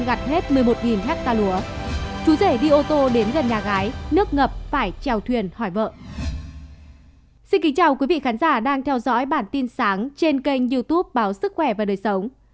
xin kính chào quý vị khán giả đang theo dõi bản tin sáng trên kênh youtube báo sức khỏe và đời sống